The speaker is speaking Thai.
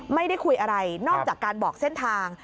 ไม่ได้คุยอะไรนอกจากการบอกเส้นทาง